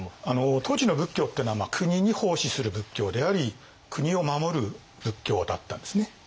当時の仏教っていうのは国に奉仕する仏教であり国を守る仏教だったんですね。